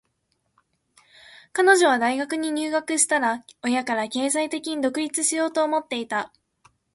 彼女は大学に入学したら、親から経済的に独立しようと思っていた。